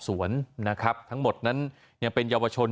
สวนนะครับทั้งหมดนั้นยังเป็นเยาวชน